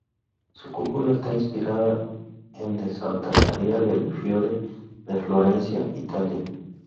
Su cúpula está inspirada en de Santa María del Fiore de Florencia, Italia.